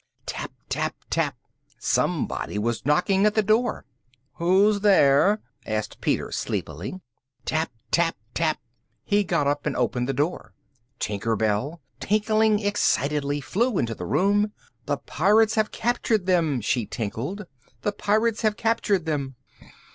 "Tap, tap, tap." Somebody was knocking at the door. "Who's there?" asked Peter sleepily. "Tap, tap, tap." He got up and opened the door. Tinker Bell, tinkling excitedly, flew into the room. "The Pirates have captured them!" she tinkled, "the Pirates have captured them!"